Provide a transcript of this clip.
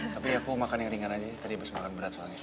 tapi aku makan yang ringan aja tadi abis makan berat soalnya